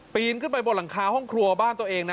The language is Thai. นขึ้นไปบนหลังคาห้องครัวบ้านตัวเองนะ